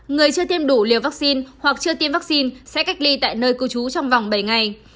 người chưa tiêm đủ liều vaccine hoặc chưa tiêm vaccine sẽ cách ly